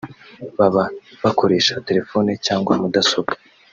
baba bakoresha telefoni cyangwa mudasobwa